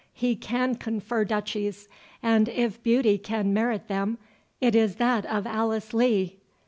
—he can confer duchies, and if beauty can merit them, it is that of Alice Lee.